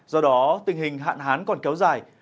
do đó tình hình hạn hán còn kéo dài